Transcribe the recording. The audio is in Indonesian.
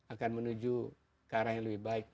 akan menuju ke arah yang lebih baik